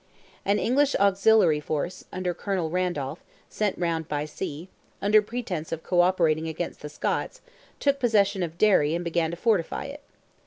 An English auxiliary force, under Colonel Randolph, sent round by sea, under pretence of co operating against the Scots, took possession of Derry and began to fortify it.